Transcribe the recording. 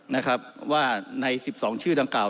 นะครับว่าใน๑๒ชื่อดังกล่า